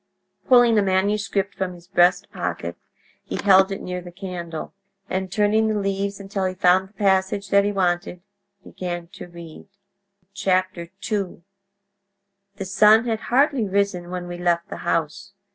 Pulling a manuscript from his breast pocket he held it near the candle, and turning the leaves until he found the passage that he wanted, began to read. II "...The sun had hardly risen when we left the house.